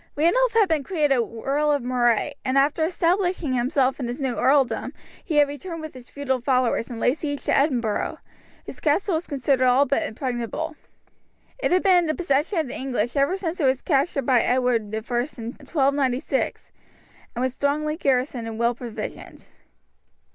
Randolph had been created Earl of Moray, and after establishing himself in his new earldom he had returned with his feudal followers and laid siege to Edinburgh, whose castle was considered all but impregnable. It had been in the possession of the English ever since it was captured by Edward I in 1296, and was strongly garrisoned and well provisioned.